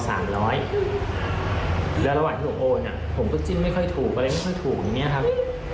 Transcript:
แล้วระหว่างที่ผมโอนอ่ะผมก็จิ้มไม่ค่อยถูกอะไรไม่ค่อยถูกอย่างนี้ครับ